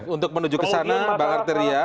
untuk menuju ke sana bang arteria